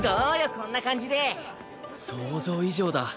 こんな感じで想像以上だ